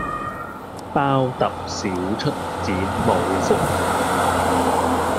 包揼少出剪冇福